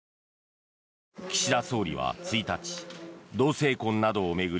岸田総理は１日同性婚などを巡り